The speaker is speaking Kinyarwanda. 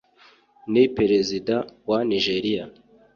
ni perezida wa Nigeria